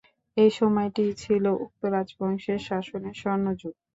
এই সময়টি ছিল উক্ত রাজবংশের শাসনের স্বর্ণযুগ।